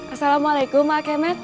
assalamualaikum pak kemet